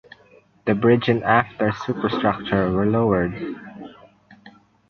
The bridge and after superstructure were lowered.